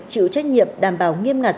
chịu trách nhiệm đảm bảo nghiêm ngặt